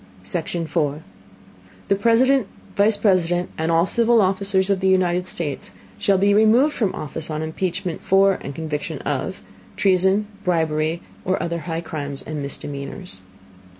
Section 4. The President, Vice President and all civil Officers of the United States, shall be removed from Office on Impeachment for, and Conviction of, Treason, Bribery, or other high Crimes and Misdemeanors.